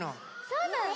そうなの？